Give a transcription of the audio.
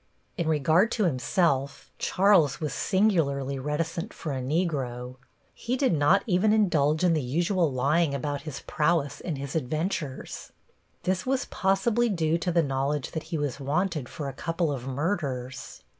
In regard to himself, Charles was singularly reticent for a Negro. He did not even indulge in the usual lying about his prowess and his adventures. This was possibly due to the knowledge that he was wanted for a couple of murders.